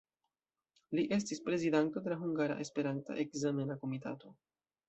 Li estis prezidanto de la Hungara Esperanta Ekzamena Komitato.